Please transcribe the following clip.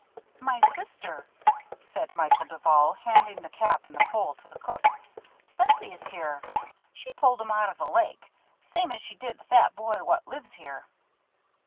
"My sister," said Michael Duval, handing the cap and the pole to the cook, "sent these here. She pulled 'em out of the lake same as she did the fat boy what lives here."